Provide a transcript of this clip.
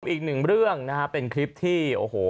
อีกหนึ่งเรื่องนะฮะเป็นคลิปที่โอ้โห